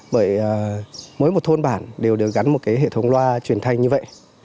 bởi mỗi một thôn bản đều được gắn một hệ thống loa truyền thanh như vậy